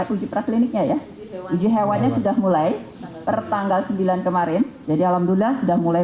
uji prakliniknya ya uji hewannya sudah mulai pertanggal sembilan kemarin jadi alhamdulillah sudah mulai